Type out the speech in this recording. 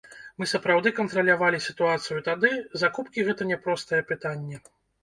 Мы сапраўды кантралявалі сітуацыю тады, закупкі гэта няпростае пытанне.